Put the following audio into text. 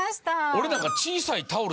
俺なんか。